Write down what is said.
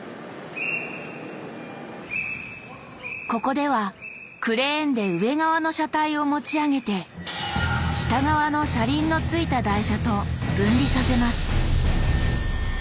ここではクレーンで上側の車体を持ち上げて下側の車輪の付いた台車と分離させます。